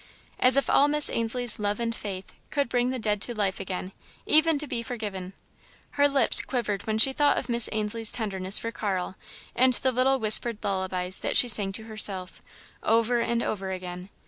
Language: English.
As if all Miss Ainslie's love and faith could bring the dead to life again, even to be forgiven! Her lips quivered when she thought of Miss Ainslie's tenderness for Carl and the little whispered lullabies that she sang to herself, over and over again.